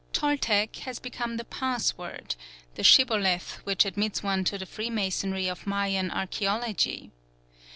"Toltec" has become the password, the shibboleth which admits one to the freemasonry of Mayan archæology.